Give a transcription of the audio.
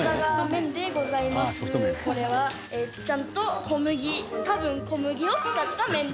これはちゃんと小麦多分小麦を使った麺でございます。